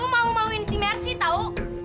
malu maluin si mercy tau